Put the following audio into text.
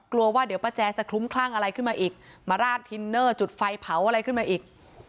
กลัวว่าเดี๋ยวป้าแจจะคลุ้มคลั่งอะไรขึ้นมาอีกมาราดทินเนอร์จุดไฟเผาอะไรขึ้นมาอีก